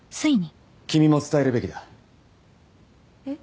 君も伝えるべきだえっ？